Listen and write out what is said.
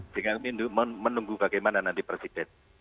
dengan menunggu bagaimana nanti presiden